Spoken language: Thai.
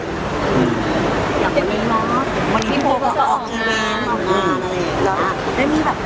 ตอนนี้เนอะ